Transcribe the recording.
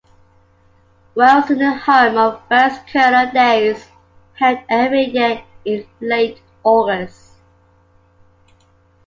Wells is the home of "Wells Kernel Days", held every year in late August.